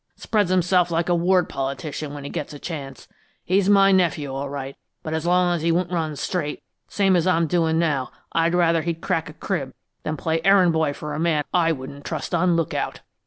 Spreads himself like a ward politician when he gets a chance! He's my nephew, all right, but as long as he won't run straight, same as I'm doin' now, I'd rather he'd crack a crib than play errand boy for a man I wouldn't trust on look out!"